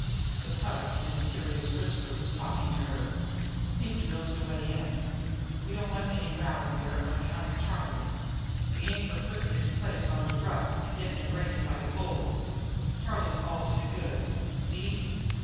The Pug, in his curious whisper, was talking to her: "Pinkie knows de way in. We don't want any row in dere, on account of Charlie. We ain't fer puttin' his place on de rough, an' gettin' him raided by de bulls. Charlie's all to de good. See?